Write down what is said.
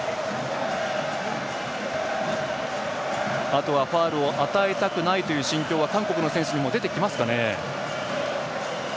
あとはファウルを与えたくないという心境は韓国の選手にも出てきますかね。